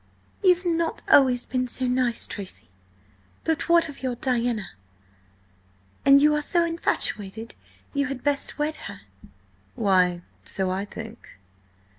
"You've not always been so nice, Tracy! But what of your Diana? An you are so infatuated, you had best wed her." "Why, so I think."